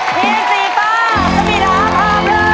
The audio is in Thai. ทีมสีฟ้าสมีราคาเบอร์